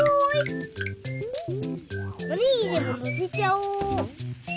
おにぎりものせちゃおう。